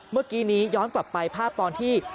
เมื่อกี้นี้ย้อนกลับไปภาพตอนที่